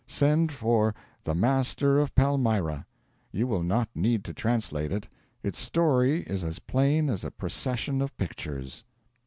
Send for 'The Master of Palmyra.' You will not need to translate it; its story is as plain as a procession of pictures.